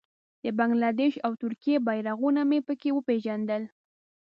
د بنګله دېش او ترکیې بېرغونه مې په کې وپېژندل.